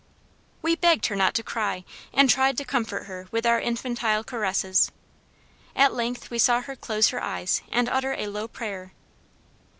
"We begged her not to cry and tried to comfort her with our infantile caresses. At length we saw her close her eyes and utter a low prayer.